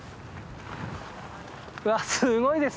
わっすごいですね！